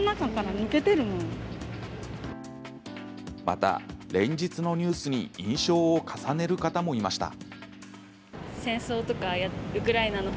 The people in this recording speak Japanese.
また、連日のニュースに印象を重ねる方もいました。